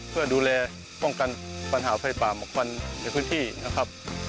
เพื่อดูแลป้องกันปัญหาไฟป่าหมอกควันในพื้นที่นะครับ